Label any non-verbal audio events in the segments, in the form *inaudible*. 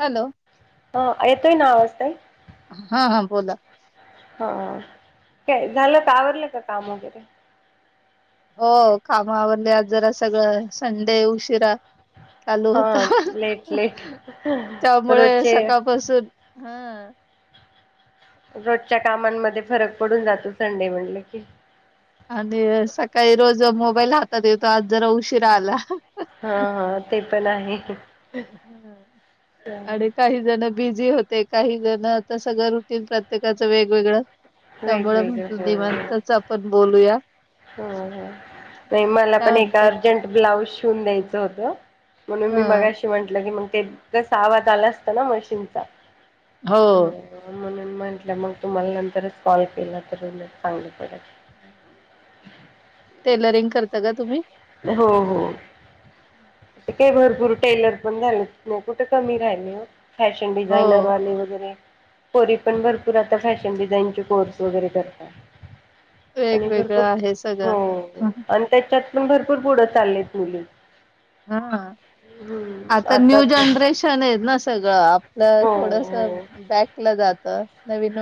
Hello ह येतोय ना आवाज ताई हा हा बोला हा काय झालं का आवरलं का काम वगैरे हो कामावरली आज जरा सगळं संडे उशिरा चालू होता हा लेट लेट त्यामुळे रोजचे सकाळपासून हा रोजच्या कामांमध्ये फरक पडून जातो संडे म्हणलं की आणि सकाळी रोज मोबाईल हातात येतो आज जरा उशिरा आला हा हा ते पण आहे हा. आणि काही जण बिझी होते काही जण आता सगळं रुटन प्रत्येकाच वेगवेगळं त्यामुळे वेगवेगळं म्हटलं निमंतच आपण बोलूया ह नाही मला काय पण ए ् म्ह म्हणतय म्हट हा की मग ते क आवाज आला असत ना मशीनचा हो न म्हून म्हटलं मग तुम्हाला नंतरच सॉल्व केलं तर चांगली पडत टेलरिंग करता का तुम्ही हो हो काही भरपूर टेलर पण झाले नाही कुठं कमी राहिल फॅशन हो डिझाईनरवाले वगैरे पोरी पण भरपूर आता फॅशन डिझाईनचे कोर्स वगैरे करतात आणि वेगवेगळं भरपूर आहे हो सगळं आणि त्याच्यात पण भरपूर पुढं चाललेत मुली हा हम्म आता न्यू तर जनरेशन आहे ना सगळं. हो थोडस. हो. बॅकलं जात नवीन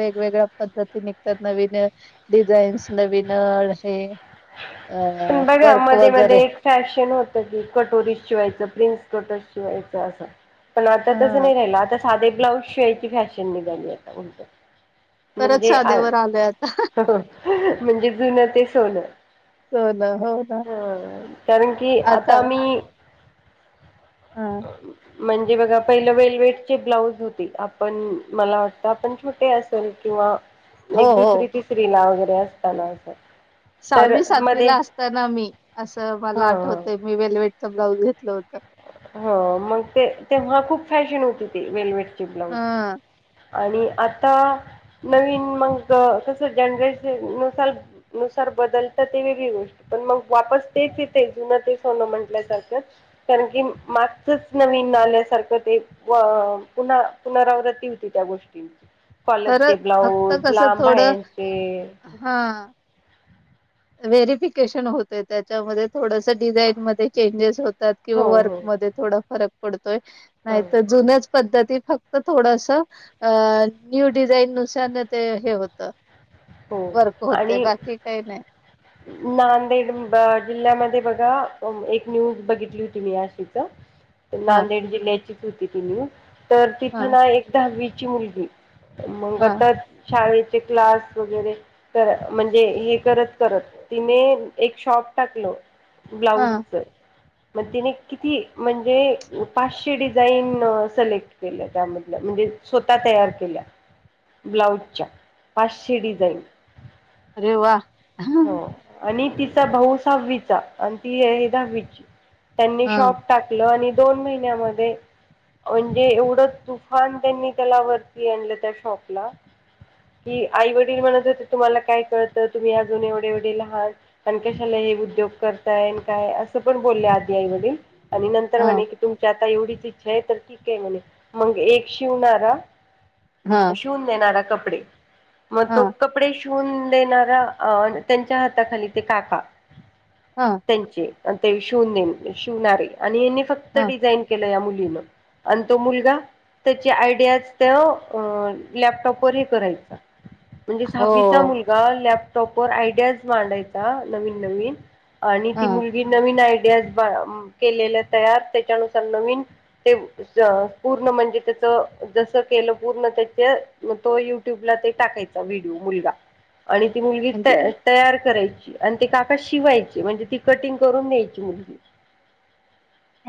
वेगवेगळ्या पद्धती निघतात नवीन डिझाईन्स नवीन अ पण बघा वर्क मध्ये मध्ये वगैरे एक फॅशन होतं की कटोरी शिवायचं प्रिन्स कटोर शिवायचं असं. पण आता तसं हा नाही राहिलं आता साधे ब्लाऊज शिवायची फॅशन निघाली आता म्हणत. परत म्हणजे आ साधेवर आलोय आता म्हणजे जुनं ते सोनं. हो ना हो. ना हा कारण की आता मी ह म्हणजे बघा पहिलं वेलवेट चे ब्लाऊज होते आपण मला वाटतं आपण छोटे असेल किंवा हो एक हो दुसरी तिसरी ला वगैरे असताना असं. तर सहावी मध्ये सातवीला असताना मी असं हा मला आठवत मी वेलवेटच ब्लाऊज घेतलं होतं. ह मग ते तेव्हा खूप फॅशन होती ती वेलवेेड ची ह ब्लाउजची आणि आता नवीन मग कसं जनरेशन नुसल. नुसार बदलताातव बिघऊ पण मग वापस तेच येते जुन तेच होणं म्हंटल्यासारखं कारण की मागचच नवीन आल्यासारखं ते व पुन्हा पुनरावृत्ती होती त्या गोष्टींची खरं कॉलरचे फक्त ब्लाऊज कसं थोडं लांबयांचे हा. व्हेरिफिकेशन होते त्याच्यामध्ये थोडसं डिझाईन मध्ये चेंजेस होतात. किंवा हो वर्क हो मध्ये थोडा फरक पडतोय हो नाही तर जुनच पद्धती फक्त थोडस. अ न्यू डिझाईन नुसार ते हे होतं. हो वर्क होतय आणि बाकी काही नाही. नांदेड जिल्ह्यामध्ये बघा एक न्यूज बघितली होती मी याशीच *inaudible* हां नांदेड जिल्ह्याचीच होती ती न्यू तर तिथं हां ना एक दहावीची मुलगी मग हां आता शाळेचे क्लास वगैरे म्हणजे हे करत. करत तिने एक शॉप टाकल हां ब्लाऊजच मग तिने किती म्हणजे पाचशे डिझाईन सलेक्ट केलं त्यामधलं म्हणजे स्वतः तयार केल्या. ब्लाऊजच्या पाचशे डिझाईन अरे वा. हो हां आणि तिचा भाऊ सहावीचा आणि ती आहे दहावीची त्यांनी हां शॉप टाकलं आणि दोन महिन्यामध्ये म्हणजे एवढं तुफान त्यांनी त्याला वरती आणलं त्या शॉपला कि आई वडील म्हणत होते तुम्हाला काय कळतं तुम्ही अजून एवढे एवढी लहान आहात. पण कशाला हे उद्योग करताय काय असं पण बोलले आधी आई वडील आणि नंतर हां म्हणे. तुमची आता एवढीच इच्छा आहे तर ठीक आहे म्हणे मग एक शिवणारा हां शिवून देणारा कपडे मग तो हां कपडे शिवून देणारा अ त्यांच्या हाताखाली ते काका हा. त्यांचे ते शिवून दे शिवणारे आणि फक्त हां डिझाईन केलं या मुलीन आणि तो मुलगा त्याची आयडियाज त्या लॅपटॉपवरही करायचा. म्हणजे हो सहावीचा मुलगा लॅपटॉप वर आयडियाज मांडायचा नवीन नवीन आणि ती हां मुलगी नवीन आयडिया केलेल्या तयार त्याच्यानुसार नवीन ते पूर्ण म्हणजे त्याच जसं केलं पूर्ण त्याचे मग तो युट्यूबला ते टाकायचा व्हिडिओ मुलगा आणि ती मुलगी म्हणजे तयार करायची आणि ते काका शिवायची म्हणजे ती कटिंग करून द्यायची मुलगी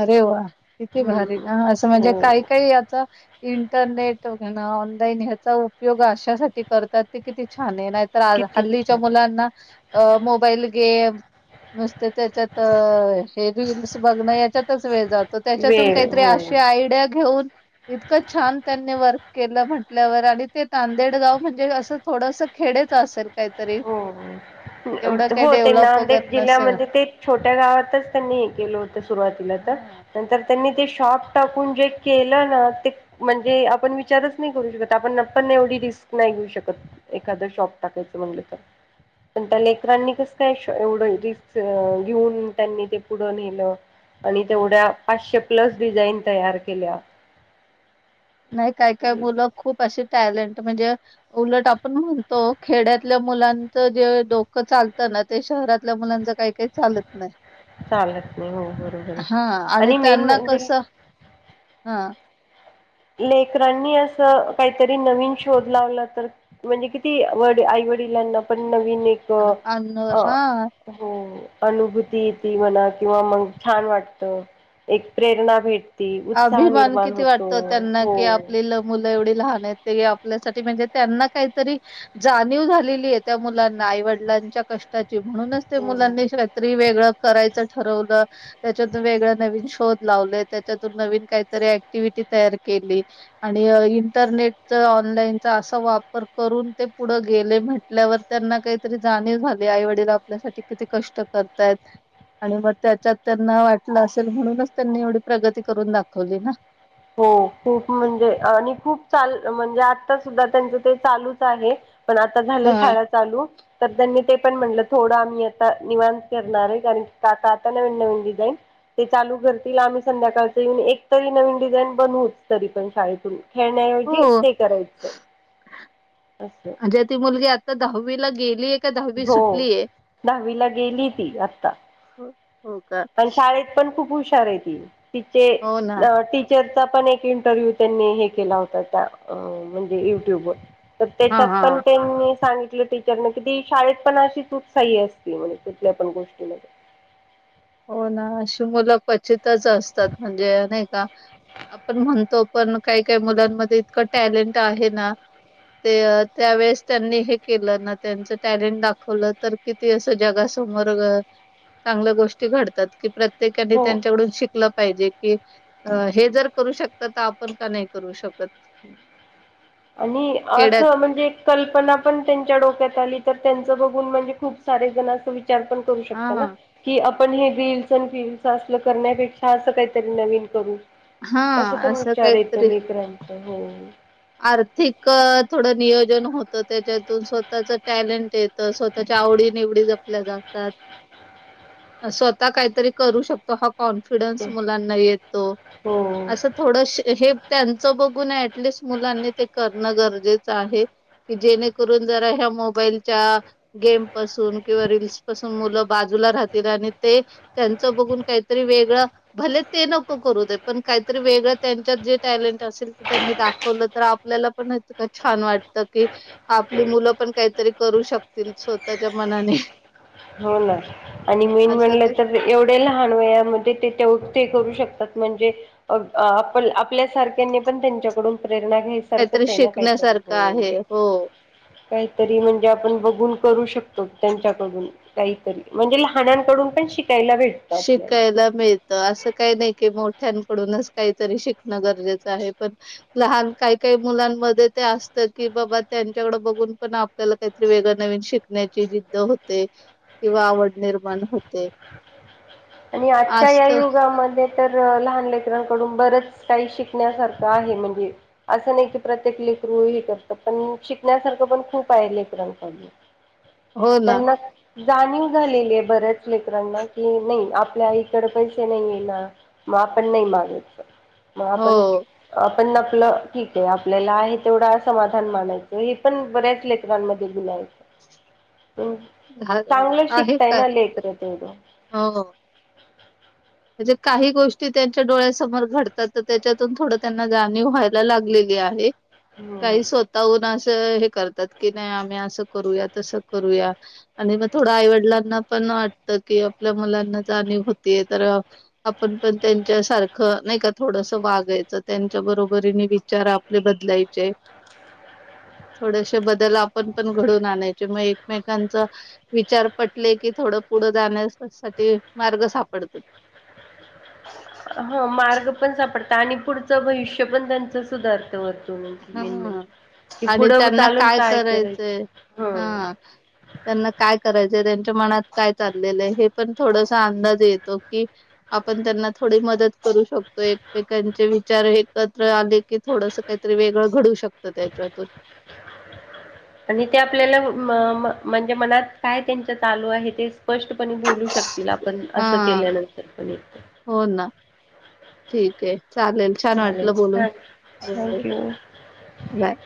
अरे वा किती भारी हम्म का असं म्हणजे हो काही काही आता इंटरनेट व ऑनलाईन ह्याचा उपयोग अशासाठी करतात ते कि ते छान ये नाही तास किती हल्लीच्या छान मुलांना अ मोबाईल गेम नुसते त्याच्यात हे रीलीलस बघण वेळ जातो त्याच्यातून वेळ काहीतरी हो अशी आयडिया घेऊन इतकं छान त्यांनी वर्क केलं म्हटल्यावर आणि ते तांदेडगाव म्हणजे असं थोडस खेडेच असेल काहीतरी हो एवढं काही हो ते डेव्हलप वगैर नांदेड नसेल. जिल्ह्यामध्ये ते छोट्या गावातच त्यांनी हे केलं होतं सुरुवातीला तर हां. नंतर त्यांनी ते शॉप टाकून जे केलं ना ते म्हणजे आपण विचारच नाही करू शकत आपण न् पण एवढी रिस्क नाही घेऊ शकत एखाद शॉप टाकायचं म्हणल की पण त्या लेकरांनी कसं काय एवढं रिस्क घेऊन त्यांनी ते पुढं न्हेलं. आणि तेवढ्या पाचशे प्लस डिझाईन तयार केल्या नाही काय काय मुलं खूप अशी टॅलेंट म्हणजे उलट आपण म्हणतो खेड्यातल्या मुलांचं जे डोकं चालतं ना ते शहरातल्या मुलांच काही काही चालत नाही. चालत नाही हो बरोबर आहे हा आणि मेन त्यांना म्हणजे कसं हा लेकरांनी असं काहीतरी नवीन शोध लावला तर, म्हणजे किती आई वडिलांना पण नवीन एक अन हा हा हो अनुभूती येती म्हणा किंवा मग छान वाटत एक प्रेरणा भेटते उत्साह निर्माण होतो. हो कि आपली मुलं एवढी लहान आहेत, ते आपल्यासाठी म्हणजे त्यांना काहीतरी, जाणीव झालेली आहे त्या मुलांना आईवडिलांच्या कष्टाची म्हणूनच ते हो मुलांनी, वेगळं करायचं ठरवलं त्याच्यातून वेगळ नवीन शोध लावले. त्यातून नवीन काहीतरी ऍक्टिवीटी तयार केली. आणि इंटरनेट ऑनलाईनचा असा वापर करून ते पुढं गेले म्हटल्यावर त्यांना काहीतरी जाणीव झाली आई वडील आपल्यासाठी किती कष्ट करतायत. आणि मग त्याच्यात त्यांना वाटलं असेल म्हणूनच त्यांनी एवढी प्रगती करून दाखवली ना. हो खूप म्हणजे आणि खूप चाल म्हणजे आता सुद्धा त्यांचं ते चालूच आहे. पण आता झाल्या हा. शाळा चालू तर त्यांनी ते पण म्हटलं थोडं आम्ही आता निवांत करणार आहे. कारण की आत्ता आता नवीन नवीन डिझाईन, ते चालू करतील आम्ही संध्याकाळच येऊन एकतरी नवीन डिझाईन बनवूच तरी पण शाळेतून खेळण्याऐवजी हो ते करायचं असं ती मुलगी तर दहावीला गेली हो दहावीला गेली ती आता हो हो का प शाळेत खप हुश त हो ना टरचा पण एक इंटरव्ह्यू त्यांनी हे केला होता त्या म्हणजे युट्यूब वर तर हा त्याच्यात हा पण त्यांनी सांगितलं टीचरन किी शाळेत पण अशी तूच साही असती म्हणजे कुठल्या पण गोष्टीमध्ये हो ना अशी मुलं क्वचितच असतात म्हणजे नाही का आपण म्हणतो पण काही काही मुलांमध्ये इतकं टॅलेंट आहे ना ते त्यावेळेस त्यांनी हे केलं ना त्यांच टॅलेंट दाखवलं तर असं जगासमोर चांगल्या गोष्ट घडतात की प्रत्येकानी हो त्यांच्याकडून शिकलं पाहिजे कि हे जर करू शकत तर आपण का नाही करू शकत आणि खेड्यात असं म्हणजे कल्पना पण त्यांच्या डोक्यात आली तर त्यांच बघून म्हणजे खूप सारे जण अस विचार पण करू शकता ना हा कि आपण हे रील्स आणि फील्स अस करण्यापेक्षा असं काहीतरी नवीन करू हा असं पण विचार येतो काहीतरी लेकरांचं हो आर्थिक थोडं नियोजन होतं. त्याच्यातून स्वतःच टॅलेंट येत. तर स्वतःच्या आवडी निवडी जपल्या जातात. ह *unintelligible* स्वतः काहीतरी करू शकतो हा कॉन्फिडन्स मुलांना येतो हो असं थोड हे त्यांचं बघून ऍटलिस्ट मुलांनी ते करणं गरजेचं आहे. कि जेणेकरून जरा ह्या मोबाईलच्या गेम पासून किंवा रीलस पासून मुलं बाजूला राहतील आणि ते त्यांचं बघून काहीतरी वेगळं भले ते नको करू दे पण काहीतरी वेगळं त्यांच्यात जे टॅलेंट असेल ते त्यांनी दाखव खवलं तर आपल्याला पण छान वाटत की आपली मुलं पण काहीतरी करू शकतील स्वतःच्या मनाने हो ना आणि मेन असं ते म्हटलं तर एवढे लहान वयामध्ये ते तेवढ ते करू शकतात म्हणजे आपण आपल्या सारख्यांनी पण त्यांच्याकडून प्रेरणा घ्यायची काहीतरी सारखंच आहे ना काहीतरी शिकण्यासारखं हो आहे हो. काहीतरी म्हणजे आपण बघून करू शकतो त्यांच्याकडून काहीतरी म्हणजे लहानांकडून पण शिकायला भेट शिकायला मिळ तर असं काही नाही की मोठ्यांकडूनच काहीतरी शिकणं गरजेचं आहे पण लहान काही काही मुलांमध्ये ते असत की बाबा त्यांच्याकड बघून पण आपल्याला काहीतरी वेग नवीन शिकण्याची जिद्द होते किंवा आवड निर्माण होते आणि आजच्या या असत युगामध्ये तर लहान लेकरांकडून बरंच काही शिकण्यासारखं आहे म्हणजे असं नाही की प्रत्येक लेकरू ह करत पण शिकण्यासारखं पण खूप आहे लेकरांक हो ना त्यांना जाणीव झालेली आहे बऱ्याच लेकरांना कि नाही आपल्या आईकड पैसे नाही आहे ना मग आपण नाही मागयच हो महापण आप पण आपलं ठीक आहे आपल्याला हे तेवढा समाधान मानायचं हे पण बऱ्याच लेखनाांमध्ये बुलायचं हम् घा चांगलं आहे शिकताय काय ना लेत्र तेवढं हो म्हणजे काही गोष्टी त्यांच्या डोळ्यासमोर घडतात तर त्याच्यातून थोडं त्यांना जाणीव व्हायला लागलेली आहे हम्म काही स्वतःहून असं हे करतात की नाही आम्ही असं करूया तसं करूया आणि मग थोडं आईवडिलांना पण वाटतं की आपल्या मुलांना जाणीव होतीय तर आपण पण त्यांच्या सारखं नाही का थोडस वागायचं त्यांच्या बरोबरीने विचार आपले बदलायचे अ *unintelligible* थोडेसे बदल आपण पण घडून आणायचे मग एकमेकांच विचार पटले की थोडं पुढं जाण्या साठी मार्ग सापडतात ह मार्ग पण सापडत आणि पुढचं भविष्य पण त्यांचं सुधारते व मेन हा म्हणजे कि आणि पुढं त्यांना चालून काय करायच करायचंय हा त्यांना काय करायचंय त्यांच्या मनात काय चाललेलं आहे हे पण थोडसा अंदाज येतो कि आपण त्यांना थोडी मदत करू शकतो एकमेकांचे विचार एकत्र आले की थोडस काही वेगळं घडू शकतं त्याच्यातून आणि ते आपल्याला म्हणजे मनात काय त्यांच चालू आहे ते स्पष्टपणे बोलू शकत की पण हा असं केल्यानंतर पण एक हो ना ठीक आहे चालेल छान चालेल वाटलं बोलून हां हो थँक्यू बाय